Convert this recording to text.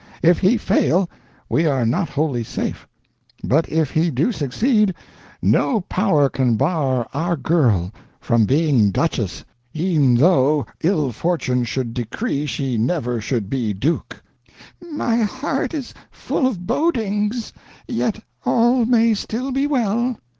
If he fail, we are not wholly safe, but if he do succeed, no power can bar our girl from being Duchess e'en though ill fortune should decree she never should be Duke!" "My heart is full of bodings, yet all may still be well."